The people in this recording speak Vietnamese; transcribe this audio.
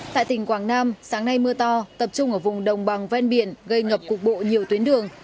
tại tỉnh quảng nam sáng nay mưa to tập trung ở vùng đồng bằng ven biển gây ngập cục bộ nhiều tuyến đường